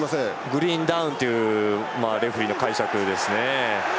グリーンダウンというレフリーの解釈ですね。